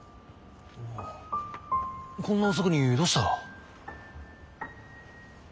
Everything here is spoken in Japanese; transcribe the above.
こんな遅くにどうした？